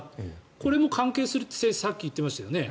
これも関係するってさっき言ってましたよね。